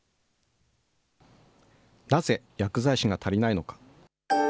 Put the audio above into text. なぜ薬剤師が足りないのか。